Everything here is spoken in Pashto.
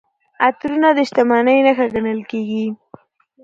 عطرونه د شتمنۍ نښه ګڼل کیږي.